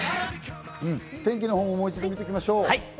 天気のほう、もう一度見ていきましょう。